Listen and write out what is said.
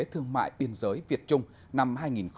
thương mại biên giới việt trung năm hai nghìn hai mươi